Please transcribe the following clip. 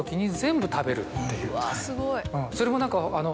それも何かあの。